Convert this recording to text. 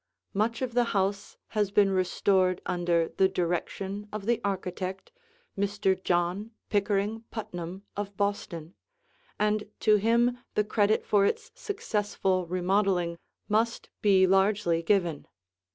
Much of the house has been restored under the direction of the architect, Mr. John Pickering Putnam of Boston, and to him the credit for its successful remodeling must be largely given.